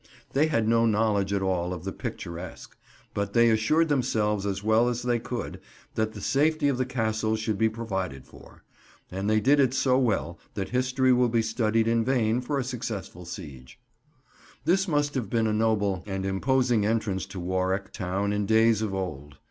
They had no knowledge at all of the picturesque; but they assured themselves, as well as they could, that the safety of the Castle should be provided for. And they did it so well that history will be studied in vain for a successful siege. [Picture: Cæsar's Tower, Warwick Castle] This must have been a noble and imposing entrance to Warwick town in days of old.